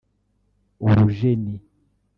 Urujeni